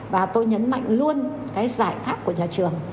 và tôi nhấn mạnh luôn cái giải pháp của nhà trường